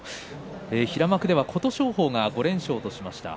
平幕では琴勝峰、５連勝としました。